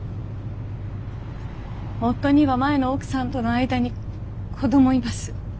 夫には前の奥さんとの間に子供います。